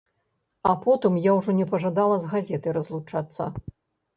А потым я ўжо не пажадала з газетай разлучацца.